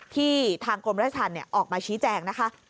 ที่ทางกรมราชธรรมออกมาชี้แจงนะคะ